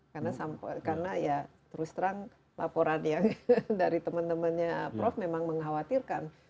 karena ya terus terang laporan yang dari temen temennya prof memang mengkhawatirkan